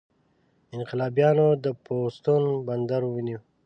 انقلابیانو د بوستون بندر ونیو.